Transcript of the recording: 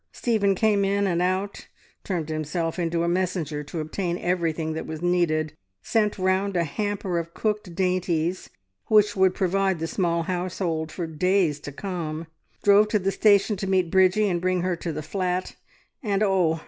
Stephen came in and out, turned himself into a messenger to obtain everything that was needed, sent round a hamper of cooked dainties which would provide the small household for days to come, drove to the station to meet Bridgie and bring her to the flat, and oh!